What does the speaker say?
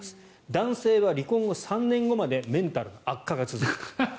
男性は離婚後３年までメンタルの悪化が続く。